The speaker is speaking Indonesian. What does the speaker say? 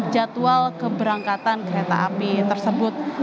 jadwal keberangkatan kereta api tersebut